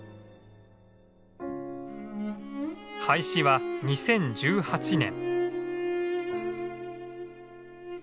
廃止は２０１８年。